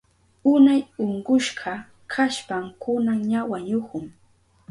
Unay unkushka kashpan kunan ña wañuhun